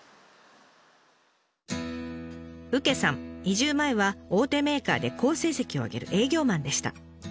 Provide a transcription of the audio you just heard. うけさん移住前は大手メーカーで好成績をあげる営業マンでした。